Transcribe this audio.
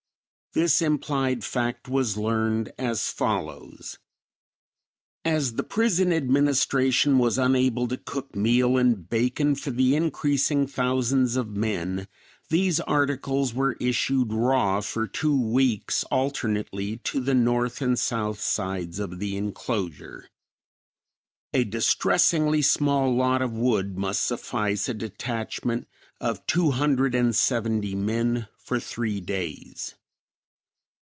This implied fact was learned as follows: As the prison administration was unable to cook meal and bacon for the increasing thousands of men, these articles were issued raw for two weeks alternately to the north and south sides of the enclosure. A distressingly small lot of wood must suffice a detachment of two hundred and seventy men for three days.